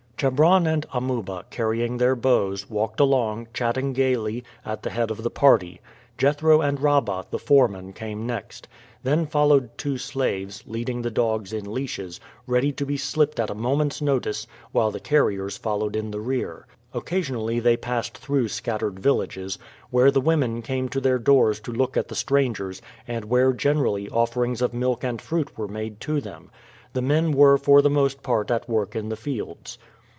Chebron and Amuba, carrying their bows, walked along, chatting gayly, at the head of the party. Jethro and Rabah the foreman came next. Then followed two slaves, leading the dogs in leashes, ready to be slipped at a moment's notice, while the carriers followed in the rear. Occasionally they passed through scattered villages, where the women came to their doors to look at the strangers, and where generally offerings of milk and fruit were made to them. The men were for the most part at work in the fields.